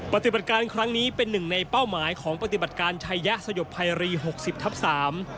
ปฏิบัติการครั้งนี้เป็นหนึ่งในเป้าหมายของปฏิบัติการชัยยะสยบภัยรีหกสิบทับสาม